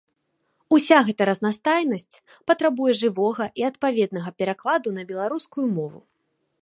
Уся гэта разнастайнасць патрабуе жывога і адпаведнага перакладу на беларускую мову.